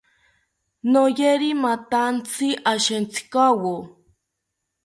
Noyori mathantzi ashetzinkawo